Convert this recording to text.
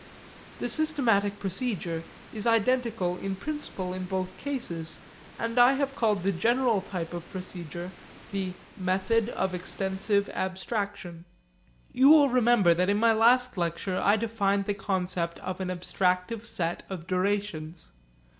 The systematic procedure is identical in principle in both cases, and I have called the general type of procedure the 'method of extensive abstraction.' You will remember that in my last lecture I defined the concept of an abstractive set of durations.